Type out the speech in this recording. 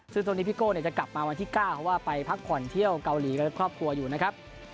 ซึ่งตรงนี้พี่โก้จะกลับมาวันที่๙เพราะว่าไปพักผ่อนเที่ยวเกาหลีกับครอบครัวอยู่นะครับ